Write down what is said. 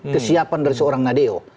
kesiapan dari seorang nadeo